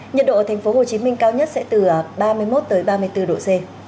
nhiệt độ ở tp hcm cao nhất sẽ từ ba mươi một ba mươi bốn độ c